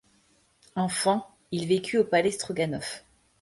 Enfant, il vécut au Palais Stroganov.